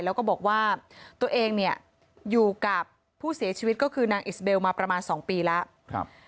แล้วก็บอกว่าตัวเองเนี่ยอยู่กับผู้เสียชีวิตก็คือนางอิสเบลมาประมาณ๒ปีแล้ว